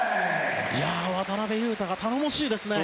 渡邊雄太が頼もしいですね。